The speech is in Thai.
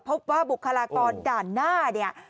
พบว่าบุคลากรด่านหน้าเนี่ย